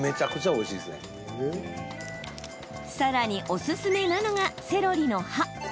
さらに、おすすめなのがセロリの葉。